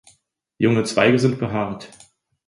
Junge Zweige sind behaart.